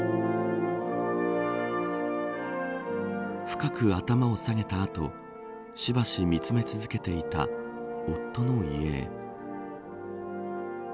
深く頭を下げた後しばし見つめ続けていた夫の遺影。